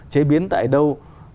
chế biến tại đâu